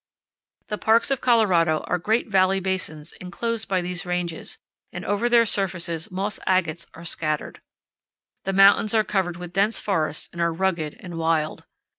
The parks of Colorado are great valley basins enclosed by these ranges, and over their surfaces moss agates are scattered. The mountains are covered with dense forests and are rugged and wild.